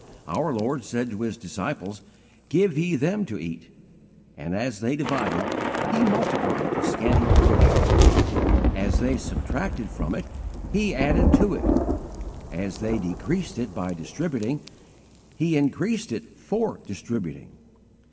Our Lord said to His disciples: "Give ye them to eat," and as they divided, He multiplied the scanty provision; as they subtracted from it He added to it; as they decreased it by distributing, He increased it for distributing.